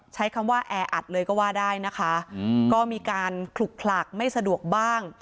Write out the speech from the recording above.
ใช้คำว่าแออัดเลยก็ว่าได้นะคะก็มีการขลุกขลักไม่สะดวกบ้าง